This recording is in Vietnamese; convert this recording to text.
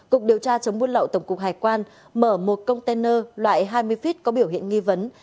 cục điều tra chống buôn lậu tổng cục hải quan mở một container loại hai mươi feet có biểu hiện nghi vấn